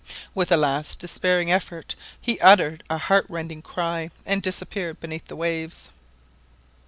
With a last despairing effort he uttered a heartrending cry and disappeared beneath the waves.